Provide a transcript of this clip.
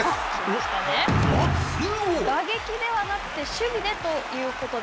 打撃ではなくて守備でということで。